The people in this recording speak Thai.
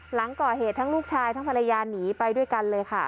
หลังก่อเหตุทั้งลูกชายทั้งภรรยาหนีไปด้วยกันเลยค่ะ